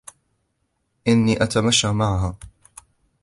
إني أتمشى معها.